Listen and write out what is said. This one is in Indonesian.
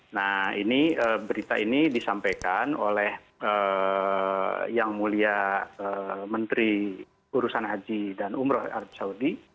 nah ini berita ini disampaikan oleh yang mulia menteri urusan haji dan umroh arab saudi